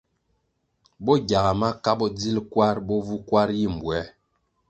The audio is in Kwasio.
Bo gyaga maka bo bodzil kwarʼ bo vu kwar yi mbwē.